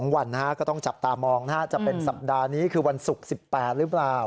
วันก็ต้องจับตามองจะเป็นสัปดาห์นี้คือวันศุกร์๑๘หรือเปล่า